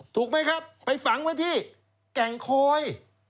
ถูกไหมครับไปฝังไว้ที่แก่งคอย